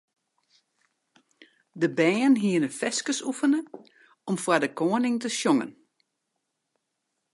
De bern hiene ferskes oefene om foar de koaning te sjongen.